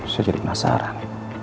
saya jadi penasaran